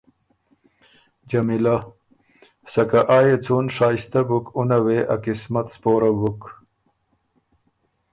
جمیلۀ: سکه آ يې څُون شائستۀ بُک اُنه وې ا قسمت سپوره بُک۔